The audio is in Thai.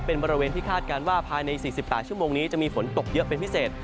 เป็นบริเวณที่คาดการณ์ว่าภายใน๔๘ชั่วโมงนี้จะมีฝนตกเยอะเป็นพิเศษ